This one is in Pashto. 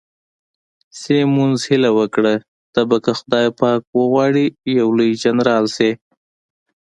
سیمونز هیله وکړه، ته به که خدای پاک وغواړي یو لوی جنرال شې.